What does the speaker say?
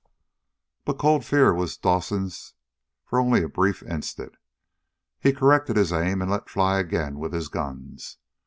But cold fear was Dawson's for only a brief instant. He corrected his aim and let fly again with his guns.